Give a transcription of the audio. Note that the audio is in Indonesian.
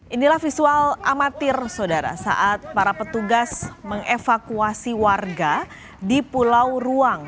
inilah visual amatir saudara saat para petugas mengevakuasi warga di pulau ruang